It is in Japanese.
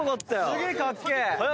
すげえかっけえ！